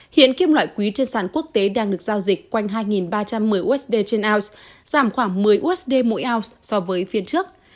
hiện kim loại quý trên sản quốc tế đang được giao dịch quanh hai ba trăm một mươi usd trên ounce giảm khoảng một mươi usd mỗi ounce so với phiên trước